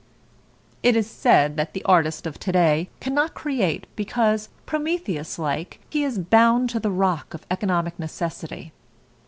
It is said that the artist of today cannot create because Prometheus like he is bound to the rock of economic necessity.